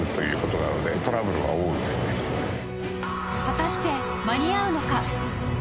果たして間に合うのか？